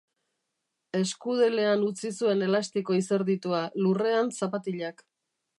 Eskudelean utzi zuen elastiko izerditua, lurrean zapatilak.